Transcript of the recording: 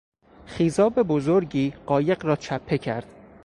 خیزاب بزرگی قایق را چپه کرد.